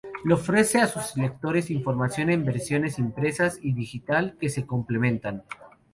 Le ofrece a sus lectores información en versiones impresas y digital, que se complementan.